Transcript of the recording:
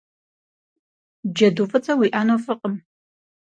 Джэду фӏыцӏэ уиӏэну фӏыкъым.